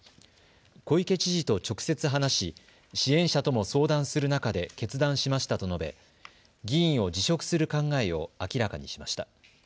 小池知事と直接話し支援者とも相談する中で決断しましたと述べ議員を辞職する考えを明らかにしました。